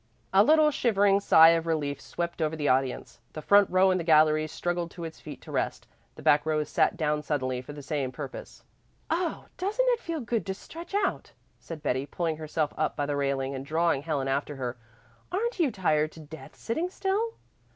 A little shivering sigh of relief swept over the audience. The front row in the gallery struggled to its feet to rest, the back rows sat down suddenly for the same purpose. "Oh, doesn't it feel good to stretch out," said Betty, pulling herself up by the railing and drawing Helen after her. "Aren't you tired to death sitting still?"